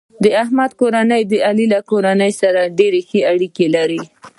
د احمد کورنۍ د علي له کورنۍ سره ډېرې ښې اړیکې لري.